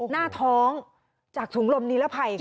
หน้าท้องจากถุงลมนิรภัยค่ะ